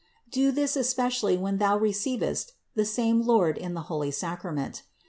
Do this especially when thou receivest the same Lord in the holy Sacrament.